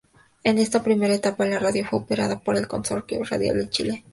En esta primera etapa la radio fue operada por el Consorcio Radial de Chile.